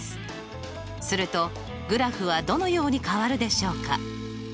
するとグラフはどのように変わるでしょうか。